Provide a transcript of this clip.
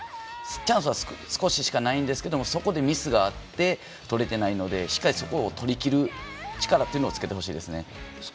チャンスは少ししかないんですけれどもそこでミスがあって取れていないのでしっかり取りきる力を力というのをつけてほしいですね。